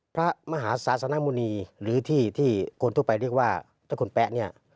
พระมหาศาสนมุณีหรือที่ที่คนทั่วไปเรียกว่าเจ้าคุณแป๊ะเนี่ย